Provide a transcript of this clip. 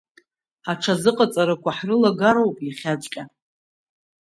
Аҽазыҟаҵарақәа ҳрылагароуп иахьаҵәҟьа.